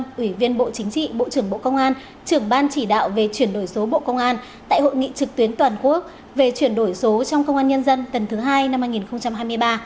chúng tôi ủy viên bộ chính trị bộ trưởng bộ công an trưởng ban chỉ đạo về chuyển đổi số bộ công an tại hội nghị trực tuyến toàn quốc về chuyển đổi số trong công an nhân dân tầng thứ hai năm hai nghìn hai mươi ba